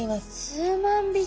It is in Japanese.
数万匹？